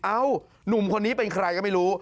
หนุ่มคนนี้เป็นใครก็ไม่รู้